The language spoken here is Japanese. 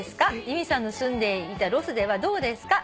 「由美さんの住んでいたロスではどうですか？」